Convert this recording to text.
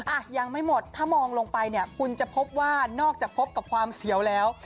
อ่ะยังไม่หมดถ้ามองลงไปเนี่ยคุณจะพบว่านอกจากพบกับความเสียวแล้ว